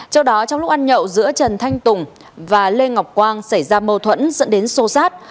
trong lúc ăn nhậu giữa trần thanh tùng và lê ngọc quang xảy ra mâu thuẫn dẫn đến xô xát